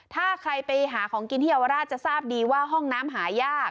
ถ้าใครไปหาของกินที่เยาวราชจะทราบดีว่าห้องน้ำหายาก